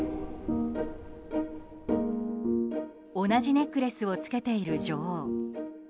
同じネックレスを着けている女王。